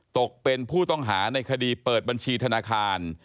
ตกเป็นผู้ต้องหาในคดีเปิดบัญชีธนาคาร